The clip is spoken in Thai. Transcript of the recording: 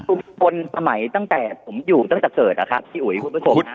คือคนสมัยตั้งแต่ผมอยู่ตั้งแต่เกิดนะครับพี่อุ๋ยคุณผู้ชม